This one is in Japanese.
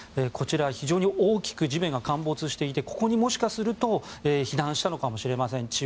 こちら、非常に大きく地面が陥没していてここにもしかすると被弾したのかもしれません。